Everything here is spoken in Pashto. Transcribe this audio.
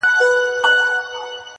• یو ناڅاپه غشی ورغی له مځکي -